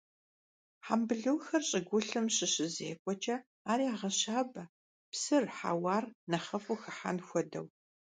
Хьэмбылухэр щӀыгулъым щыщызекӀуэкӀэ, ар ягъэщабэ, псыр, хьэуар нэхъыфӀу хыхьэн хуэдэу.